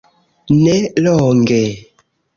Ne longe.